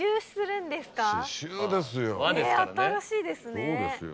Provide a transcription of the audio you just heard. えぇ新しいですね。